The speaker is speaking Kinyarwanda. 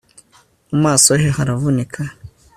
mu maso he haravunika